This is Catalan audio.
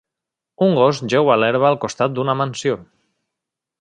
Un gos jeu a l'herba al costat d'una mansió